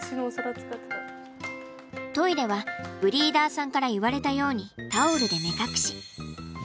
トイレはブリーダーさんから言われたようにタオルで目隠し。